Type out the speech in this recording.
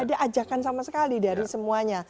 ada ajakan sama sekali dari semuanya